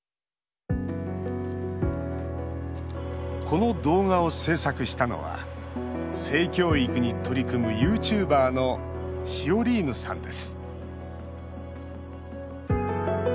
この動画を制作したのは性教育に取り組むユーチューバーのシオリーヌさんです。